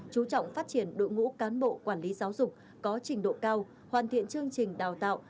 chú trọng phát triển đội ngũ cán bộ quản lý giáo dục có trình độ cao hoàn thiện chương trình đào tạo